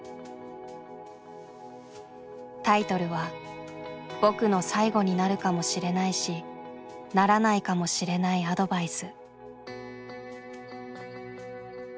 タイトルは「僕の最後になるかもしれないしならないかもしれないアドバイス」。